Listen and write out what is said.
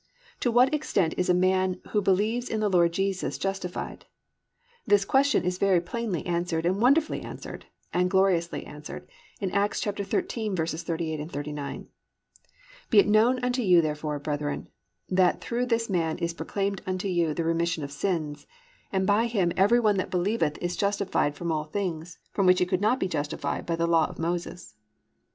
To what extent is a man who believes in the Lord Jesus justified? This question is very plainly answered and wonderfully answered, and gloriously answered in Acts 13:38, 39, +"Be it known unto you therefore, brethren, that through this man is proclaimed unto you remission of sins: and by him every one that believeth is justified from all things, from which he could not be justified by the law of Moses."